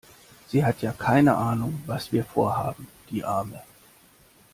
Sie hat ja keine Ahnung was wir Vorhaben. Die Arme.